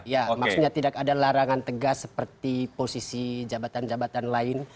ya maksudnya tidak ada larangan tegas seperti posisi jabatan jabatan lain